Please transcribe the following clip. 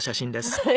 はい。